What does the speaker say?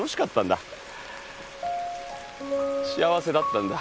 幸せだったんだ。